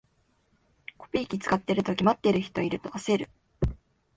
コピー機使ってるとき、待ってる人いると焦る